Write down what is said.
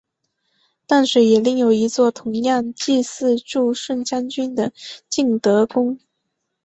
淡水也另有一座同样祭祀助顺将军的晋德宫。